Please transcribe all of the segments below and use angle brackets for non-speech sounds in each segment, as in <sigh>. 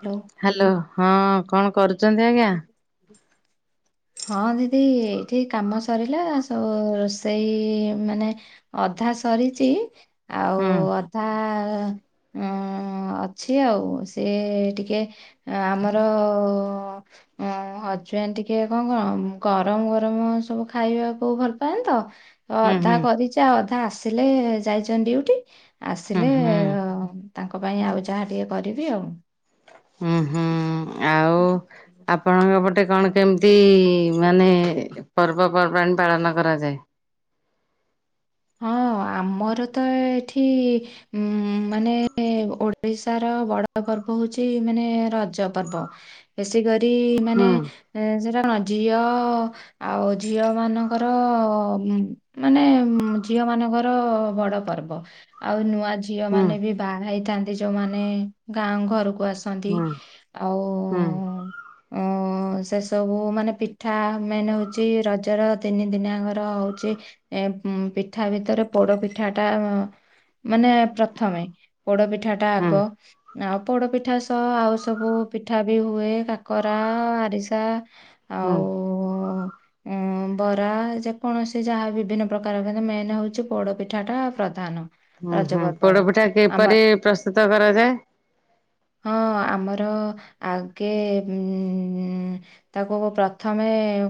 Hello hello ହଁ କଣ କରୁଚନ୍ତି ଆଜ୍ଞା। ହଁ ଦିଦି ଏଇଠି କାମ ସ ସରିଲା ସବ ରୋଷେଇ ମାନେ ଅଧା ସରିଚି ଆଉ ହୁଁ ଅଧା ଅଁ ଅଛି ଆଉ ସେ ଟିକେ ଆମର ହଜବେଣ୍ଡ ଟିକେ <unintelligible> ଗରମ ଗରମ ସବୁ ଖାଇବାକୁ ଭଲ ପାଆନ୍ତି ତ। ହୁଁ ଅଧା ହୁଁ କରିଚି ଆଉ ଅଧା ଆସିଲେ ଯାଇଛନ୍ ଡିଉଟି। ହୁଁ ଆସିଲେ ହୁଁ ଅ ତାଙ୍କ ପାଇଁ ଆଉ ଯାହା ଟିକେ କରିବି ଆଉ। ହୁଁ ହୁଁ ଆଉ ଆପ ଆପଣଙ୍କ ପଟେ କଣ କେମତି ମାନେ ପର୍ବପର୍ବାଣି ପାଳନ କରାଯାଏ? ହଁ। ଆମର ତ ଏଠି ଉମ ମାନେ ଓଡ଼ିଶାର ବଡ଼ ପର୍ବ ପର୍ବ ହଉଚି ମାନେ ରଜ ପର୍ବ, ବେଶୀ କରି ମାନେ ହୁଁ ଯୋରା କଣ ଝିଅ ଆଉ ଝିଅ ମାନଙ୍କର ଉମ୍ ମାନେ ଝିଅ ମାନଙ୍କର ବଡ ପର୍ବ, ଆଉ ନୂଆ ଝିଅ ହୁଁ ମାନେ ବି ବାହା ହେଇଥା ନ୍ତି ଯୋଉମାନେ ଗାଁ ଘରୁ କୁ ଆସନ୍ତି, ହୁଁ ଆଉ ହୁଁ ଉଁ। ସେସବୁ ମାନେ ପିଠା ମେନେ ହଉଚି ରଜର ତିନି ଦିନିଆଙ୍କର ହଉଚି ଏ। ଉଁ ପିଠା ଭିତରେ ପୋଡ ପିଠା ଟା ମାନେ ପ୍ରଥମେ। ପୋଡ ପିଠାଟା ହୁଁ ଆଗ। ଆଉ ପୋଡ଼ପିଠା ସହ ଆଉ ସବୁ ପିଠା ବି ହୁଏ। କାକରା, ଆରିସା। ହୁଁ। ଆଉ ଉଁ ବରା ଯେକୌଣସି ଯାହା ବିଭିନ୍ନ ପ୍ରକାର କିନ୍ତୁ ମେନେ ହଉଚି ପୋଡ ପିଠାଟା ପ୍ର ହୁଁ ହୁଁ ପୋଡପିଠା ଆମ କିପରି ପ୍ରସ୍ତୁତ କରାଯାଏ? ହଁ ଆମର ଆଗେ ଉଁ ତାକୁ ପ୍ରଥମେ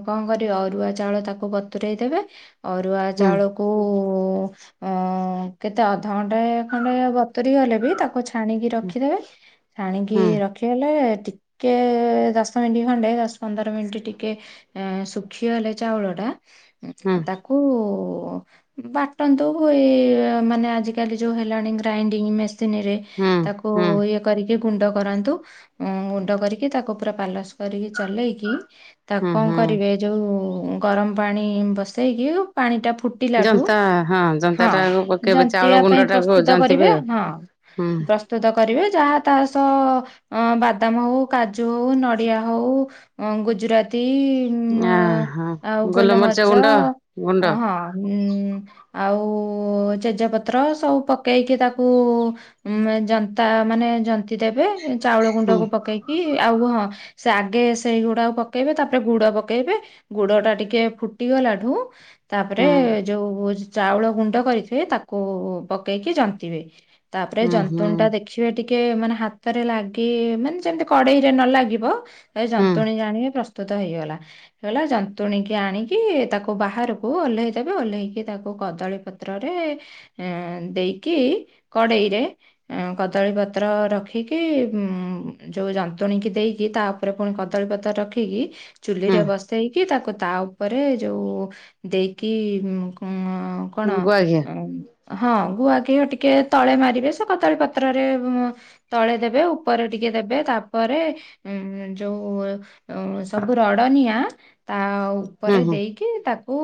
କଣ କରିବ ଅରୁଆ ଚାଉଳ ତାକୁ ବତୁରେଇ ଦେବେ ଅରୁଆ ହୁଁ ଚାଉଳ। କେତେ ଅଧଘଣ୍ଟେ ଖଣ୍ଡେ ବତୁରି ଗଲେ ବି ତାକୁ ଚିପୁ ଛାଣିକି ରଖିଦେବେ ଛାଣିକି ହୁଁ ରଖିଗଲେ ଟିକେ ଟିକେ ଦଶ ମିନିଟ ଖଣ୍ଡେ ଦଶ ପନ୍ଦର ମିନିଟ ଟିକେ ଶୁଖିଗଲେ ଚାଉଳ ଟା ହୁଁ ତାକୁ ବାଟନ୍ତୁ ମାନେ ଆଜିକାଲି ଯୋଉ ହେଲାଣି ଗ୍ରାଇଣ୍ଡିଙ୍ଗ ମେସିନ ମେସିନରେ ହୁଁ ତାକୁ ହୁଁ କରିକି ଗୁଣ୍ଡ କରନ୍ତୁ ଗୁଣ୍ଡ କରିକି ତାକୁ ପୁରା ପାଲସ କରିକି ଚଲେଇକି ତାକୁ ହୁଁ କଣ ହୁଁ କରିବେ ଯୋଉ ଗରମ ପାଣି ବସେଇକି ପାଣି ଟା ଫୁ ଫୁଟିଲା ଠୁ ଜନ୍ତା ହଁ ଜନ୍ତାଟାକୁ ପକେଇବେ ଚାଉଳ ଜନ୍ତିବା ପାଇଁ ଗୁଣ୍ଡଟାକୁ ପ୍ରସ୍ତୁତ କରିବେ ଜନ୍ତିବେ ଆଉ ହଁ ହୁଁ ପ୍ରସ୍ତୁତ କରିବେ ଯାହା ତା ସହ ଅ ବାଦାମ ହଉ କାଜୁ ହଉ ନଡ଼ିଆ ହଉ ଗୁଜୁରାତି ଅହୋ ଆଉ ଗୋଲମରିଚ ଗୁଣ୍ଡ ହଁ ଉଁ ଆଉ ଚେଜ ପତର ସବୁ ପକେଇକି ତାକୁ ଉଁ ଜନ୍ତି ଜନ୍ତା ମାନେ ଜନ୍ତି ଦେବେ ଚାଉଳ ହୁଁ ଗୁଣ୍ଡକୁ ପକେଇକି ଆଉ ହଁ ସେ ଆଗେ ସେଇ ଗୁଡାକୁ ପକେଇବେ ତାପରେ ଗୁଡ ପକେଇବେ ଗୁଡ ଟା ଟିକେ ଫୁଟିଗଲା ଠୁ ରେ ହୁଁ ଯୋଉ ଚାଉଳ ଗୁଣ୍ଡ କରିଥିବେ ତାକୁ ପକେଇକି ଜନ୍ତିବେ ତାପରେ ହୁଁ ହୁଁ ଜନ୍ତୁଣ ଟା ଦେଖିବେ ଟିକେ ଟିକେ ମାନେ ହାତରେ ଲାଗି ମାନେ ଯେମତି କଡେଇ ରେ ନ ଲାଗିବ ଏ ହୁଁ ଜନ୍ତୁଣୀ ଜାଣିବେ ପ୍ରସ୍ତୁତ ପ୍ରୁତ ହେଇଗଲା ଜନ୍ତୁଣି କି ଆଣିକି ତାକୁ ବାହାରକୁ ଓଲ୍ହେଇ ଦେବେ ଓହ୍ଲେଇକି ତାକୁ କଦଳୀ ପତ୍ରରେ ଦେଇକି କଡ଼େଇରେ କଦଳୀ ପତ୍ର ରଖିକି ଉଁ ଯୋଉ ଯନ୍ତୁଣୀ କିି ଦେଇକି ତା ଉପରେ ପୁଣି କଦଳୀ ପତର ରଖିକି ଚୁଲିରେ ହୁଁ ବସେଇକି ତାକୁ ତା ଉପରେ ଯୋଉ ଦେଇକି ହକଣ ଗୁଆ ଘିଅ ଅ ହଁ ଗୁଆ ଘିଅ ଟିକେ ତଳେ ମାରିବେ ସେ କଦଳୀ ପତ୍ରରେ ତଳେ ଦେବେ ଉପରେ ଟିକେ ତାପରେ ଯୋଉ ସବୁ ରଡ଼ନିଆ ତା ହୁଁ ଉପରେ ହୁଁ ଦେଇକି ତାକୁ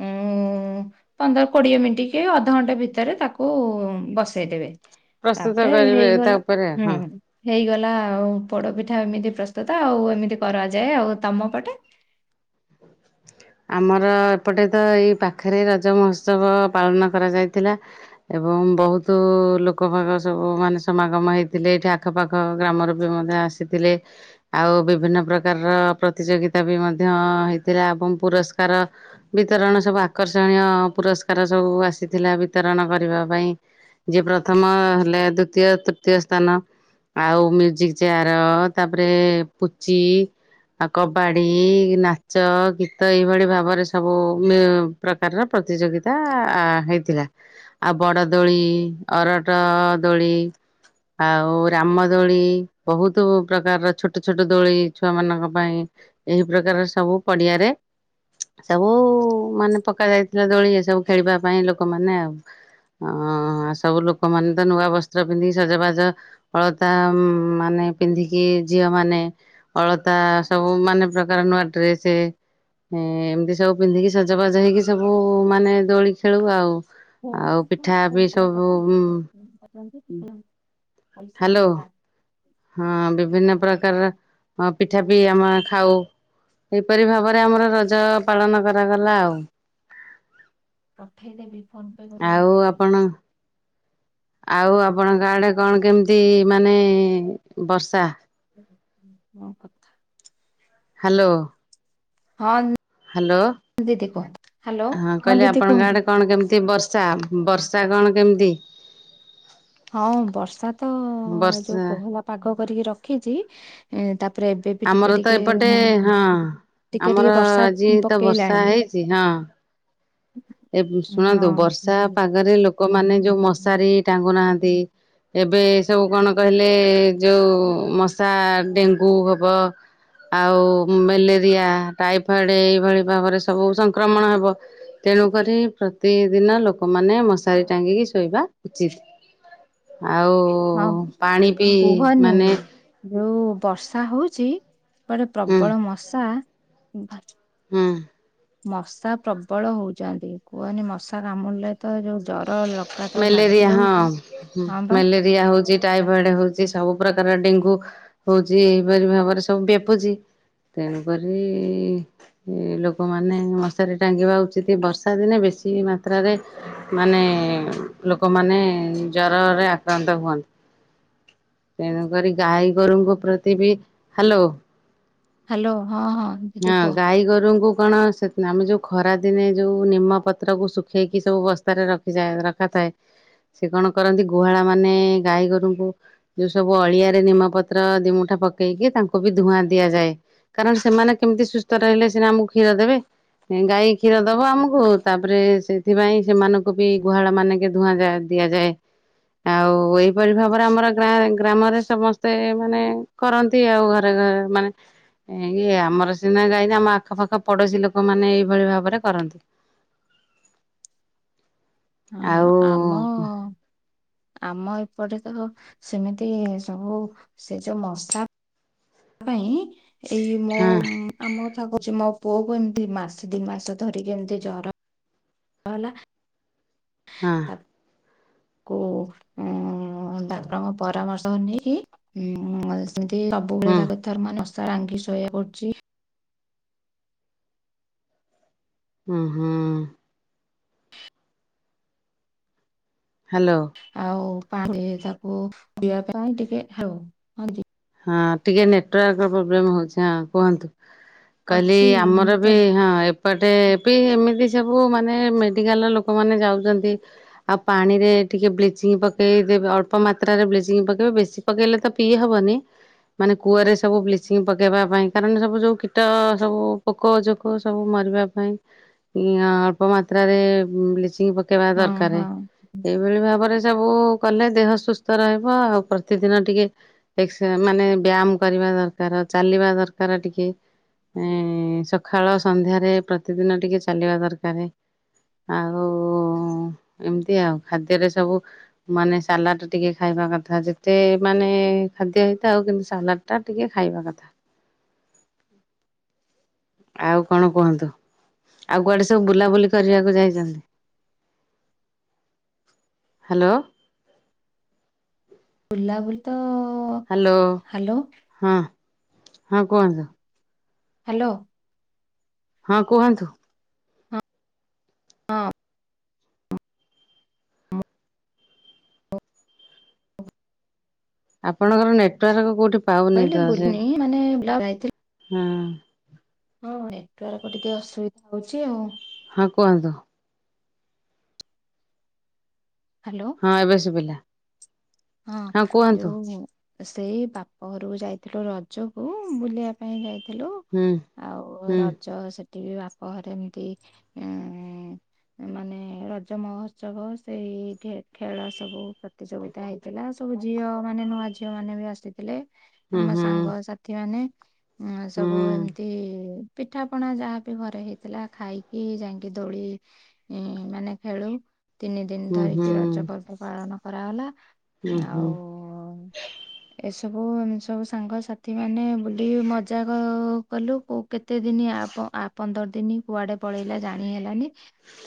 ଉଁ ପନ୍ଦର କୋଡିଏ ମିନିଟ କି ଅଧଘଣ୍ଟା ଭିତରେ ତାକୁ ବସେଇଦେବେ ତାପରେ ପ୍ରସ୍ତୁତ କରିବେ ତା ହେଇଗଲା ଉପରେ ହୁଁ ହଁ ହେଇଗଲା ଲା ଆଉ ପୋଡ ପିଠା ଏମିତି ପ୍ରସ୍ତୁତ ଆଉ ଏମିତି କରାଯାଏ ଆଉ ତମ ପଟେ ହ ଆମର ଏପଟେ ତ ଏଇ ପାଖରେ ରଜ ମହୋତ୍ସବ ପାଳନ କରାଯାଇଥିଲା ଏବଂ ବହୁତ ଲୋକବାକ ସବୁ ମାନେ ସମାଗମ ହେଇଥିଲେ ଏଇଠି ଆଖପାଖ ଗ୍ରାମରେ ବି ମଧ୍ୟ ଆସିଥିଲେ ଆଉ ବିଭିନ୍ନ ପ୍ରକାରର ପ୍ରତିଯୋଗିତା ବି ମଧ୍ୟ ହେଥିଲା ଏବଂ ପୁରସ୍କାର ବିତରଣ ସବୁ ଆକର୍ଷଣୀୟ ପୁରସ୍କାର ସବୁ ଆସିଥିଲା ବିତରଣ କରିବା ପାଇଁ ଯିଏ ପ୍ରଥମ ହେଲେ ଦ୍ଵିତୀୟ ତୃତୀୟ ସ୍ଥାନ ଆଉ ମ୍ୟୁଜିକ ଚେୟାର ତାପରେ ପୁଚି ଆଉ କବାଡ଼ି ନାଚ ନାଚ ଗୀତ ଏଇଭଳି ଭାବରେ ସବୁ ପ୍ରକାରର ପ୍ରତିଯୋଗିତା ହେଇଥିଲା ଆଉ ବଡ ଦୋଳି ଅରଟ ଦୋଳି ଆଉ ରାମ ଦୋଳି ବହୁତ ପ୍ରକାରର ଛୋଟ ଛୋଟ ଦୋଳି ଛୁଆ ମାନଙ୍କ ପାଇଁ ଏହି ପ୍ରକାର ସବୁ ପଡିଆରେ ସବୁ ମାନେ ପକା ଯାଇଥିଲା ଦୋଳି ଏ ସବୁ ଖେଳିବା ପାଇଁ ଲୋକମାନେ ଆଉ ଅ ସବୁ ଲୋକମାନୋନ ତ ନୂଆ ବସ୍ତ୍ର ପିନ୍ଧି ସଜବାଜ ହଳତା ମାନେ ପିନ୍ଧିକି ଝିଅ ମାନେ ଅଳତା ସବୁ ମାନ ପ୍ରକାର ନୂଆ ଡ୍ରେସ ସେ ଏମିତି ସବୁ ପିନ୍ଧିକି ସଜାବାଜ ହେଇକି ସବୁ ମାନେ ଦୋଳି ଖେଳୁ ଆଉ ଆଉ ପିଠା ବି ସବୁ <unintelligible> ପଇସା ହ୍ୟାଲୋ ଜୋରଦାର ହଁ ବିଭିନ୍ନ ପ୍ରକାର ପିଠା ବି ଆମେ ଖାଉ ଏପରି ଭାବରେ ଆମର ରଜ ପାଳନ କରାଗଲା ଆଉ ରଖେଇ ଦେବି ଫୋନ ପେ କରିବି ଆଉ ଏଠି ଆସିକି। ଆପଣ ଆଉ ଆପଣଙ୍କ ଆଡେ କଣ କେମିତି ମାନେ ବର୍ଷା? ହ ପଥା। ହ୍ୟାଲୋ। ହଁ ହ୍ୟାଲୋ ଦି ଦି କୁହ? ହଁ କହିଲେ ଆପଣଙ୍କ ଆଡେ କଣ କେମିତି ବର୍ଷା ବର୍ଷା? ଶାଗଣ କେମିତି? ହଁ ବର୍ଷା ତ ଯୋଉ ବର୍ଷା କୋହଲା ପାଗ କରିକି ରଖିଛି ତାପ ଆମର ତ ଏପଟେ ହଁ ଟିକେ ଟିକେ ଆମର ବର୍ଷା ଆଜି ତ ବର୍ଷା ପକେଇଲାଣି। ହେଇଛି ହଁ। ଏ ଶୁଣନ୍ତୁ ବର୍ଷା ହଁ। ପାଗରେ ଲୋକମାନେ ଯୋଉ ମଶାରୀ ଟାଙ୍ଗୁନାହାନ୍ତି, ଏବେ ସବୁ କଣ କହିଲେ ଯୋଉ ମଶା ଡେଙ୍ଗୁ ହବ। ଆଉ ମେଲେରିଆ ଟାଇଫଏଡ଼୍ ଏଇଭଳି ଭାବରେ ସବୁ ସଂକ୍ରମଣ ହେବ। ତେଣୁକରି ପ୍ରତିଦିନ ଲୋକମାନେ ମଶାରୀ ଟାଙ୍ଗିକି ଶୋଇବା ଉଚିତ। ଆଉ ହଁ ପାଣି ପିଇ କୁହନି ମାନେ ଯୋଉ ବର୍ଷା ହଉଛି କୁଆଡେ ହୁଁ ପ୍ରବଳ ମଶା ହଁ। ମଶା ପ୍ରବଳ ହଉଛନ୍ତି କୁହନି ମଶା କାମୁଡ଼ିଲେ ତ ଯୋଉ ଜର ଲଗାତାର ଲାଗି ମ୍ୟାଲେରିଆ ହଁ ରହୁଛି ହଁ ବା। ମ୍ୟାଲେରିଆ ହଉଛି ଟାଇଫଏଡ ହଉଛି ସବୁ ସ ପ୍ରକାର ଡେଙ୍ଗୁ ହଉଛି ଏପରି ଭାବରେ ସବୁ ବ୍ୟାପୁଛି। ତେଣୁକରି ଲୋକମାନେ ମଶାରି ଟାଙ୍ଗିବା ଉଚିତ ବର୍ଷା ଦିନେ ବେଶୀ ବେଶୀ ମାତ୍ରାରେ ମାନେ ଲୋକମାନେ ଜରରେ ଆକ୍ରାନ୍ତ ହୁଅନ୍ତି। ତେଣୁକରି ଗାଈ ଗୋରୁଙ୍କ ପ୍ରତି ବି ହେଲୋ ହ୍ୟାଲୋ। ହଁ ଦିଦି ହଁ କୁହ ଗାଈ ଗୋରୁଙ୍କୁ କଣ ସେ ଆମେ ଯୋଉ ଖରାଦିନେ ଯଉ ନିମପତ୍ରକୁ ଶୁଖେଇକି ସବୁ ବସ୍ତାରେ ରଖିଯା ରଖା ଥାଏ। ଥାଏ ସେ କଣ କରନ୍ତି ଗୁହାଳା ମାନେ ଗାଈ ଗୋରୁଙ୍କୁ ଯୋଉ ସବୁ ଅଳିଆ ରେ ନିମପତ୍ର ଦିମୁଠା ପକେଇକି ତାଙ୍କୁ ବି ଧୂଆଁ ଦିଆଯାଏ କାରଣ ସେମାନେ କେମିତି ସୁସ୍ଥ ରହିଲେ ସିନା ଆମକୁ କ୍ଷୀର ଦେବେ। ଗାଈ କ୍ଷୀର ଦବ ଆମକୁ ତାପରେ ସେଥିପାଇଁ ସେମାନଙ୍କୁ ବି ଗୁହାଳ ମାନେକ ଧୂଆଁ ଯାଏ। ଦିଆଯାଏ। ଆଉ ଏଇପରି ଭାବରେ ଆମର ଗ୍ରା ଗ୍ରାମରେ ସମସ୍ତେ ମାନେ କରନ୍ତି ଆଉ ଘରେ ଅ ମାନେ ଇଏ ଆମର ସିନା ଗାଇ ନା ଆମ ଆଖପାଖ ପଡୋଶୀ ଲୋକ ମାନେ ଏଇଭଳି ଭାବରେ କରନ୍ତି। ହ ହଁ ଆଉ ଆମ ହଁ ଆମ ଏପଟେ ତ ସେମିତି ସବୁ ସେ ଯୋଉ ମଶା ତା ପାଇଁ ଏଇ ମୋ ହଁ ଆମ କଥା କହୁଛି ମୋ ପୁଅକୁ ଏମତି ମାସ ଦି ମାସ ଧରିକି ଏମତି ଜର ହେଲା। ହଁ। କୁ ଉ ଡାକ୍ତରଙ୍କ ପରାମର୍ଶ ନେଇକି ଉ ଏମତି ସବୁବେଳେ ହୁଁ ତାକୁ ଥର ମସାରି ଟାଙ୍ଗି ଶୋଇବା ପଡୁଚି। ଉଁ ହୁଁ। ହ୍ୟାଲୋ। <unintelligible> ହଁ ଟିକେ ନେଟୱାର୍କ ପ୍ରୋବ୍ଲେମ୍ ହଉଛି ହଁ କୁହନ୍ତୁ। କହିଲି ଅଛି ମୁଁ ଆମର ବି ତ ହଁ ଏ ଏପଟେ ବି ଏମିତି ସବୁ ମାନେ ମେଡିକାଲର ଲୋକମାନେ ଯାଉଛନ୍ତି ଆଉ ପାଣିରେ ଟିକେ ବ୍ଲିଚିଂ ପକାଇଦେବେ ଅଳ୍ପ ମାତ୍ରାରେ ବ୍ଲିଚିଂ ପକବେ ବେଶୀ ପକେଇଲେ ତ ପିଇ ହେବନି। ମାନେ କୂଅରେ ସବୁ ବ୍ଲିଚିଂ ପକେଇବା ପାଇଁ କାରଣ ସବୁ ଯୋଉ କୀଟ ସବୁ ପୋକ ଜୋକ ସବୁ ବୁ ମରିବା ପାଇଁ ଆଁ ଅଳ୍ପ ମାତ୍ରାରେ ବ୍ଲି ଚିଂ ପକେଇବା ହଁ ଦରକାର ହଁ ଏଇଭଳି ଭାବରେ ସବୁ କଲେ ଦେହ ସୁସ୍ଥ ରହିବ ଆଉ ପ୍ରତିଦିନ ଟିକେ ଏକ୍ସ ମାନେ ବ୍ୟାୟାମ କରିବା ଦରକାର ଚାଲିବା ଦରକାର ଟିକେ। ଏଁ ସକାଳ ସନ୍ଧ୍ୟାରେ ପ୍ରତିଦିନ ଟିକେ ଚାଲିବା ଦରକାରେ। ଆଉ ଏମିତି ଆଉ ଖାଦ୍ୟରେ ସବୁ ମାନେ ସାଲାଡ ଟିକେ ଖାଇବା। ବା କଥା ଯେତେ ମାନେ ଖାଦ୍ୟ ହେଇଥାଉ କିନ୍ତୁ ସାଲାଡ ଟା ଟିକେ ଖାଇବା କଥା। ଆଉ କଣ କୁହନ୍ତୁ ଆଉ କୁଆଡ଼େ ସବୁ ବୁଲାବୁଲି କରିବାକୁ ଯାଇଛନନ୍ତି। ହ୍ୟାଲୋ। ବୁଲାବୁଲି ତ ହ୍ୟାଲୋ ହ୍ୟାଲୋ ହଁ ହଁ କୁହନ୍ତୁ। ହ୍ୟାଲୋ। ହଁ କୁହନ୍ତୁ। ହଁ। ଆପଣଙ୍କର ନେଟୱାର୍କ କୋଉଠି ପାଉନି କହିଲ ବୁଲିନି ମାନେ ଯାଇଥିଲୁ। ହୁଁ। ହଁ ନେଟୱାର୍କ ଟିକେ ଅସୁବିଧା ହଉଛି ଆଉ। ହଁ କୁହନ୍ତୁ। ହ୍ୟାଲୋ ହଁ ଏବେ ଶୁଭିଲା। ହଁ ଯୋଉ ସେଇ ବାପ ଘରକୁ ଯାଇଥିଲୁ ରଜକୁ ବୁଲିବା ପାଇଁ ଯାଇ ଥିଲୁ ହୁଁ ଆଉ ହୁଁ ରଜ ସେଠି ବି ବାପଘରେ ଏମିତି ଅଁ ମାନେ ରଜ ମହୋତ୍ସବ ସେଇ ଖେ ଖେଳ ସବୁ ପ୍ରତିଯୋଗିତା ହେଇ ଥିଲା ସବୁ ଝିଅ ମାନେ ନୂଆ ଝିଅ ମାନେ ବି ଆସିଥିଲେ ହୁଁ ଆମ ହୁଁ ସାଙ୍ଗ ସାଥି ମାନେ। ହଁ ସବୁ ହୁଁ। ଏମିତି। ପିଠା ପଣା ଯାହାବି ଘରେ ହେଇଥିଲା ଖାଇକି ଯାଇକି ଦୋଳି ମାନେ ଖେଳୁ। ତିନି ଦିନ ଉହୁଁ ଧରିକି ରଜ ପର୍ବ ପାଳନ କରାଗଲା। ଆଉ ଉହୁଁ ଏସ ସବୁ ସବୁ ସାଙ୍ଗସାଥି ମାନେ ବୁଲି ମଜା କ କଲୁ କଉ କେତେ ଦିନ ଆପ ଆ ପନ୍ଦର ଦିନ କୁଆଡ଼େ ପଳେଇଲା ଜାଣି ହେଲାନି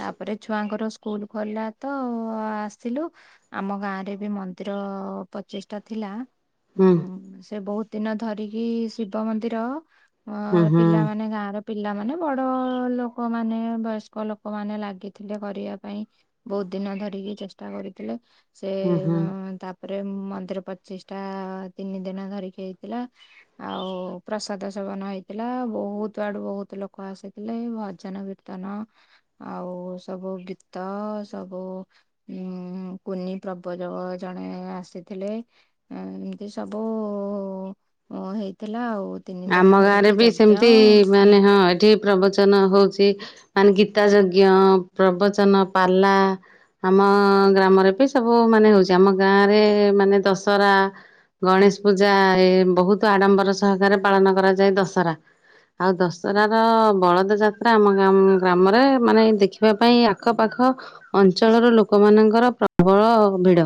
ତାପରେ ଛୁଆଙ୍କର ସ୍କୁଲ ଖୋଲିଲା ତ ଅ ଆସିଲୁ ଆମ ଗାଁରେ ବି ମନ୍ଦ ଦିର ପଚିଷ୍ଟା ଥିଲା ହୁଁ ସେ ବହୁତ। ଦିନ ଧରିକି ଶିବ ମନ୍ଦିର ଅ ଉହୁଁ ପିଲାମାନେ ଗାଁର ପିଲାମାନେ ବଡ଼ ଲୋକମାନେ ବୟସ୍କ ଲୋକମାନେ ଲାଗିଥିଲେ କରିବା ପାଇଁ ବହୁତ। ଦିନ ଧରିକି ଚେଷ୍ଟା କରିଥିଲେ ସେ ଉହୁଁ ଉଁ ରେ ମନ୍ଦିର ପଚିଶ ଟା ତିନି ଦିନ ଧରିକି ହେଇଥିଲା ଆଉ ପ୍ରସାଦ ସେ ସେବନ ହେଇଥିଲା ବହୁତ ଆଡ଼ୁ ବହୁତ ଲୋକ ଆସିଥିଲେ ଭଜନ କୀର୍ତ୍ତନ ଆଉ ସବୁ ଗୀତ ସବୁ ଉ କୁନି ପ୍ରବଚକ ଜଣେ ଆସିଥିଲେ ଏମିତି ସବୁ ହେଇଥିଲା ଆଉ। ତିନି ଦିନ ଆମ ଗାଁରେ ଧରିକି ବି ଯଜ୍ଞ ସେମିତି ମାନେ ହଁ ଏଠି ପ୍ରବଚନ ହଉଛି। ମାନେ ଗୀତା ଯଜ୍ଞ ପ୍ରବଚନ ପାଲା। ଆମ ଗ୍ରାମରେ ବି ସବୁ ମାନେ ହଉଛି ଆମ ଗାଁ ରେ ମାନେ ଦଶହରା। ଗଣେଶ ପୂଜା ଏ ବହୁତ ଆଡ଼ମ୍ବର ସହକାରେ ପାଳନ କରାଯାଏ ଦଶରା। ଆଉ ଦଶରା ର ବଳଦ ଯାତ୍ରା ଆମ ଗ୍ରାମରେ ମାନେ ଦେଖିବା ପାଇଁ ଆଖପାଖ ଖ ଅଞ୍ଚଳର ଲୋକମାନଙ୍କର ପ୍ରବଳ ଭିଡ଼।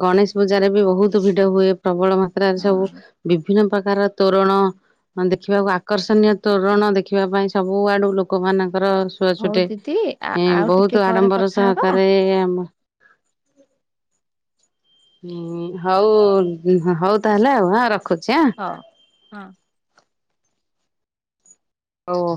ଗଣେଶ ପୂଜାରେ ବି ବହୁତ ଭିଡ଼ ହୁଏ ପ୍ରବଳ ମାତ୍ରାରେ ସବୁ ହଁ ବିଭିନ୍ନ ପ୍ରକାର ତୋରଣ ଦେଖିବାକୁ ଆକର୍ଷଣୀୟ ତୋରଣ ଦେଖିବା ପାଇଁ ସବୁ ଆଡୁ ଲୋକମାନଙ୍କ ର ଶୁଅ ହଉ ଛୁଟେ ଦିଦି ଆ- ଆଉ ଟିକେ ବହୁତ ପରେ ଆଡମ୍ବର କଥା ହବା ସହକାରେ ଆମ <inaudible> ହୁଁ ହଉ ହଉ ତାହେଲେ ଆଉ ହ ରଖ ହଁ ହଁ। ଓହୋ।